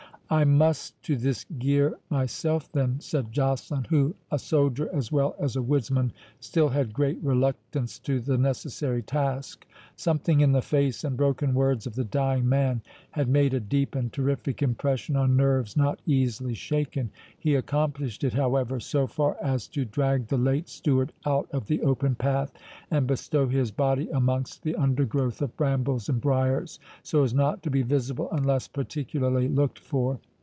"I must to this gear myself, then," said Joceline, who, a soldier as well as a woodsman, still had great reluctance to the necessary task. Something in the face and broken words of the dying man had made a deep and terrific impression on nerves not easily shaken. He accomplished it, however, so far as to drag the late steward out of the open path, and bestow his body amongst the undergrowth of brambles and briers, so as not to be visible unless particularly looked for.